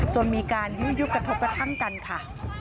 จนมีการยื้อยุดกระทบกระทั่งกันค่ะ